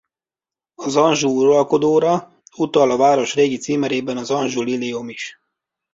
Az Anjou-uralkodóra utal a város régi címerében az Anjou-liliom is.